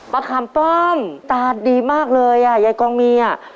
ขามป้อมตาดีมากเลยอ่ะยายกองมีอ่ะ